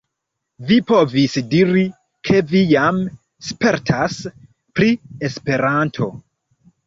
Vi povis diri ke vi jam spertas pri Esperanto.